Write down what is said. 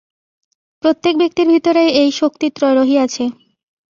প্রত্যেক ব্যক্তির ভিতরেই এই শক্তিত্রয় রহিয়াছে।